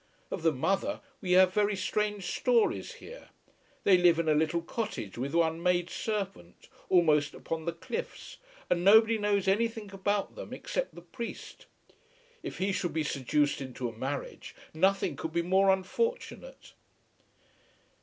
Of the mother we have very strange stories here. They live in a little cottage with one maid servant, almost upon the cliffs, and nobody knows anything about them except the priest. If he should be seduced into a marriage, nothing could be more unfortunate."